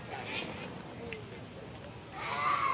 สวัสดีครับทุกคน